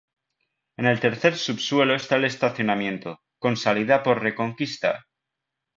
En el tercer subsuelo está el estacionamiento, con salida por Reconquista.